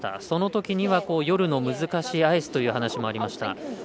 そのときには、夜の難しいアイスという話もありました。